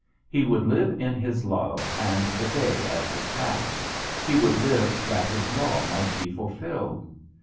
He would live in his love and the day as it passed. He would live that his law might be fulfilled.